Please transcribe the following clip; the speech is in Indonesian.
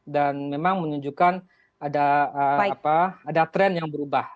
dan memang menunjukkan ada trend yang berubah